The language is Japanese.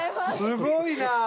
すごいな！